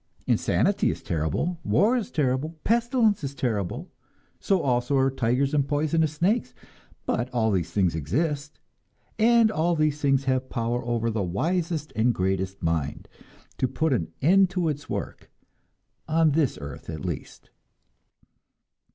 Insanity is terrible, war is terrible, pestilence is terrible, so also are tigers and poisonous snakes; but all these things exist, and all these things have power over the wisest and greatest mind, to put an end to its work on this earth at least.